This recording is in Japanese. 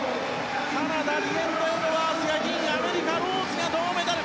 カナダ、リエンド・エドワーズが２位にアメリカ、ローズが銅メダル。